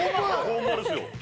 ホンマですよ